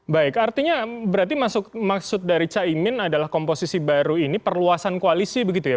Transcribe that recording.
baik artinya berarti maksud dari caimin adalah komposisi baru ini perluasan koalisi begitu ya